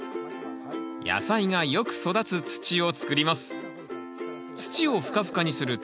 野菜がよく育つ土をつくります。